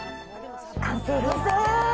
完成です。